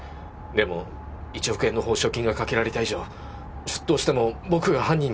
でも１億円の報奨金がかけられた以上出頭しても僕が犯人にされる。